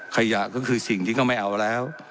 ขยะก็คือสิ่งที่เขาไม่เอาแล้ว